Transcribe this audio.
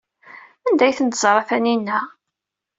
Anda ay tent-teẓra Taninna?